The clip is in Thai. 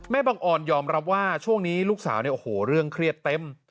บังออนยอมรับว่าช่วงนี้ลูกสาวเนี่ยโอ้โหเรื่องเครียดเต็ม